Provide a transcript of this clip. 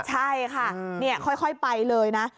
ใช่ค่ะค่อยไปเลยนะ